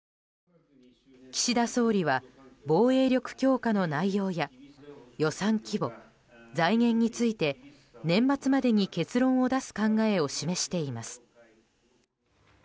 岸田総理は防衛力強化の内容や予算規模、財源について年末までに結論を出す考えを示しています。